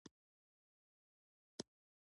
دغرب لوڼې به دې ناز په اننګو وړي